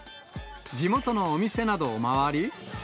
地元のお店などを回り。